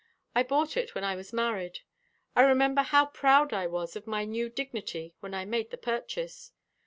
"I bought it when I was married. I remember how proud I was of my new dignity when I made the purchase.